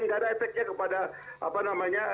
nggak ada efeknya kepada apa namanya